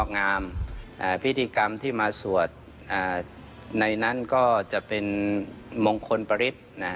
ในนั้นก็จะเป็นมงคลประฤทธิ์